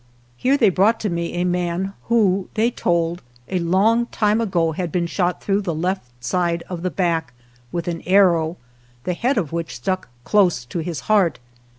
Here they brought to me a man who, they told, a long time ago had been shot through the left side of the back with an arrow, the head of which stuck close to his heart.